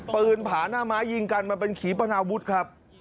ผาหน้าม้ายิงกันมันเป็นขีปนาวุฒิครับ